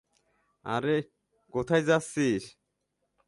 আরে, কোথায় যাচ্ছিস?